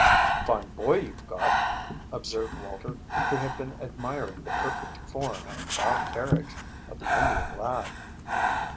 "Fine boy you've got," observed Walter, who had been admiring the perfect form and proud carriage of the Indian lad.